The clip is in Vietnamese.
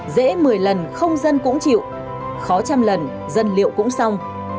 dễ một mươi lần không dân cũng chịu khó trăm lần dân liệu cũng xong